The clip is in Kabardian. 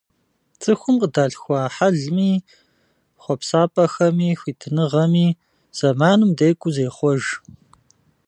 ЦӀыхум къыдалъхуа хьэлми, хъуэпсапӀэхэми, хуитыныгъэми зэманым декӏуу зехъуэж.